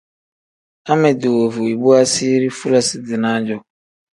Amedi woovu ibu asiiri fulasi-dinaa-jo.